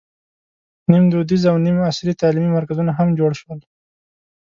نیم دودیز او نیم عصري تعلیمي مرکزونه هم جوړ شول.